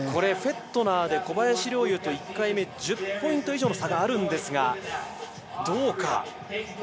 フェットナーで小林陵侑と１回目、１０ポイント以上の差があるんですがどうなるか。